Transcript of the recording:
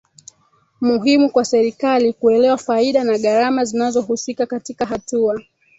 muhimu kwa serikali kuelewa faida na gharama zinazohusika katika hatua